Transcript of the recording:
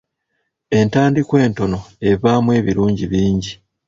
Entandikwa entono evaamu ebirungi bingi.